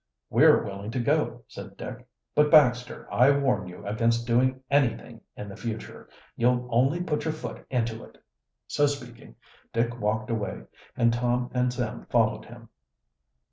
"We're willing to go," said Dick. "But, Baxter, I warn you against doing anything in the future. You'll only put your foot into it." So speaking, Dick walked away, and Tom and Sam followed him.